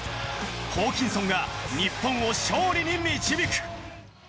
ホーキンソンが日本を勝利に導く。